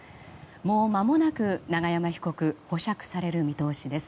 もうまもなく永山被告は保釈される見通しです。